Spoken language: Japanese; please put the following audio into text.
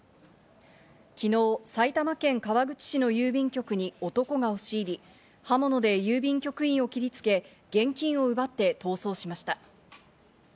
昨日、埼玉県川口市の郵便局に男が押し入り、刃物で郵便局員を切りつけ、現金を奪って逃走しました。